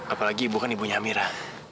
apalagi ibu kan ibunya mira